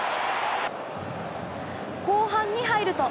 後半に入ると。